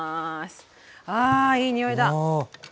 あいい匂いだ。